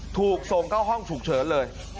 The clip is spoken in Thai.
ถูกส่งเข้าห้องฉุกเฉินเลย